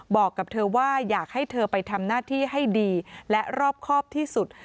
บอกกับเธอว่าอยากให้เธอไปทำหน้าที่ให้ดีและรอบครอบที่สุด